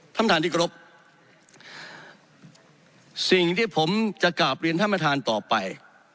ท่านประธานที่กรบสิ่งที่ผมจะกราบเรียนท่านประธานต่อไป